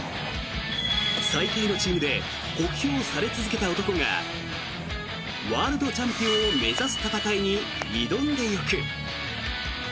最下位のチームで酷評され続けた男がワールドチャンピオンを目指す戦いに挑んでいく。